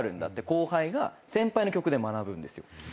後輩が先輩の曲で学ぶんですよ。